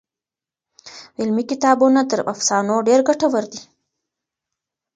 علمي کتابونه تر افسانو ډېر ګټور دي.